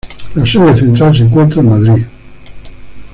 La sede central se encuentra en Madrid.